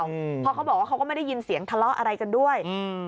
เพราะเขาบอกว่าเขาก็ไม่ได้ยินเสียงทะเลาะอะไรกันด้วยอืม